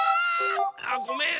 あごめん。